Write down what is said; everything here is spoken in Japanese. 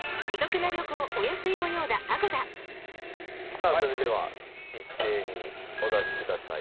さあそれでは一斉にお出しください。